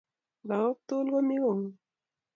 Lagok tugul komi kongul.